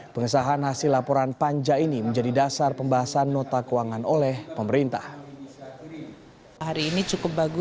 pengesahan hasil laporan panja ini menjadi dasar pembahasan nota keuangan oleh pemerintah